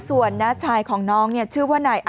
ส่วนน่าชายของน้องนะเช๑๘๙๐